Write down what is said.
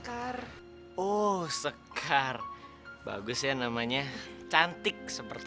nad usu heterogenekenan kan tak lupa disini tempat satu